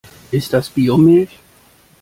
Ist das Biomilch?